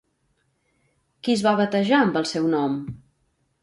Qui es va batejar amb el seu nom?